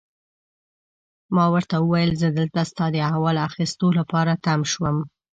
ما ورته وویل: زه دلته ستا د احوال اخیستو لپاره تم شوم.